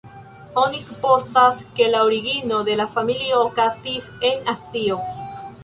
Oni supozas, ke la origino de la familio okazis en Azio.